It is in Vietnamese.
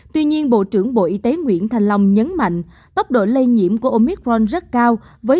tuy nhiên bộ trưởng bộ y tế nguyễn thành long nhấn mạnh tốc độ lây nhiễm của omicron rất cao